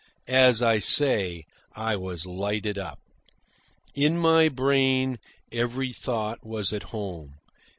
As I say, I was lighted up. In my brain every thought was at home.